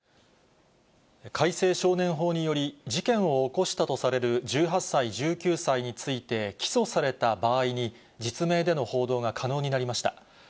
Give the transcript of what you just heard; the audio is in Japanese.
改正少年法により、事件を起こしたとされる１８歳、１９歳について、起訴された場合に、実名での報道が可能になりました。